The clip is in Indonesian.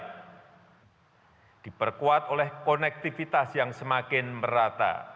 dan diperkuat oleh konektivitas yang semakin merata